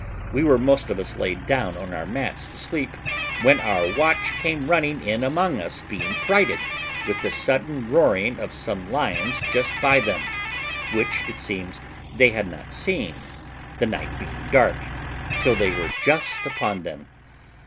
We were most of us laid down on our mats to sleep, when our watch came running in among us, being frighted with the sudden roaring of some lions just by them, which, it seems, they had not seen, the night being dark, till they were just upon them.